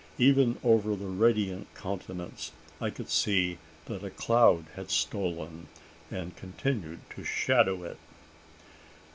Even over that radiant countenance I could see that a cloud had stolen, and continued to shadow it!